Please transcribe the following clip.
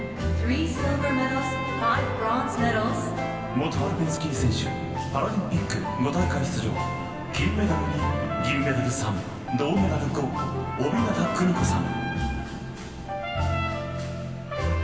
元アルペンスキー選手パラリンピック５大会出場金メダル２、銀メダル３銅メダル５、大日方邦子さん。